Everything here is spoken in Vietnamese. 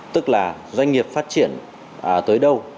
tức là doanh nghiệp phát triển tới đâu